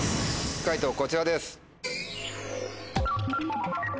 解答こちらです。